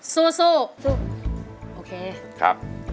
สู้สู้